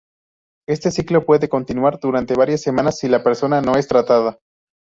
Este ciclo puede continuar durante varias semanas si la persona no es tratada.